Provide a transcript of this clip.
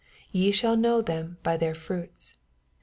16 Ye shall know them by theii fruits.